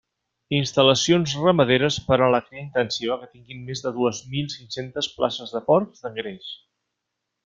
Instal·lacions ramaderes per a la cria intensiva que tinguin més de dues mil cinc-centes places de porcs d'engreix.